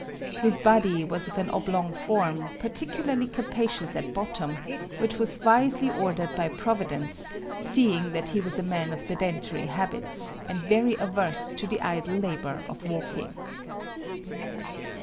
His body was of an oblong form, particularly capacious at bottom; which was wisely ordered by Providence, seeing that he was a man of sedentary habits, and very averse to the idle labor of walking.